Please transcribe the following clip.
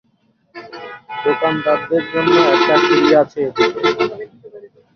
দোকানদারদের জন্য একটা সিঁড়ি আছে এদিকে।